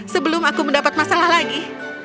sebelum aku mendapat masalah lagi